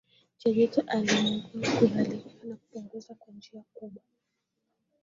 cha joto ulimwenguni Kadhalika zinapunguza kwa njia kubwa